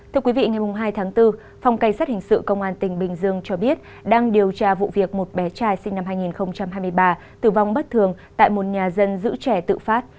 thưa quý vị ngày hai tháng bốn phòng cảnh sát hình sự công an tỉnh bình dương cho biết đang điều tra vụ việc một bé trai sinh năm hai nghìn hai mươi ba tử vong bất thường tại một nhà dân giữ trẻ tự phát